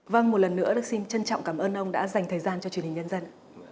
vâng một lần nữa được xin trân trọng cảm ơn ông đã dành thời gian cho truyền hình nhân dân